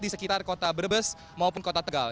di sekitar kota brebes maupun kota tegal